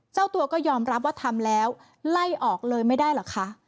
เจ้าตัวก็ยอมรับว่าทำแล้วไล่ออกเลยไม่ได้เหรอคะ